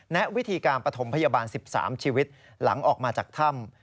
วิธีการปฐมพยาบาล๑๓ชีวิตหลังออกมาจากถ้ำ